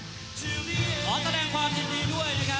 ขอแสดงความยินดีด้วยนะครับ